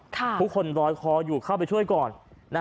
ทุกคนรอยคออยู่เข้าไปช่วยก่อน